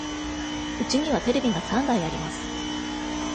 うちにはテレビが三台あります。